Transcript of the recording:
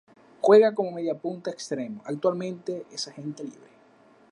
Juega como mediapunta extremo, actualmente es agente libre